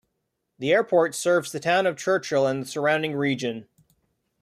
The airport serves the town of Churchill and the surrounding region.